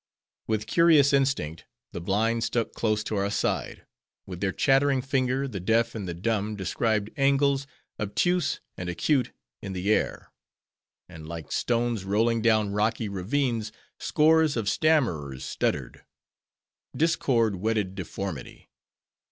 With curious instinct, the blind stuck close to our side; with their chattering finger, the deaf and the dumb described angles, obtuse and acute in the air; and like stones rolling down rocky ravines, scores of stammerers stuttered. Discord wedded deformity.